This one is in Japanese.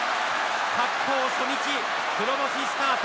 白鵬、初日黒星スタート。